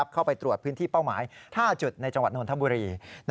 เข้าไปตรวจพื้นที่เป้าหมาย๕จุดในจังหวัดนทบุรี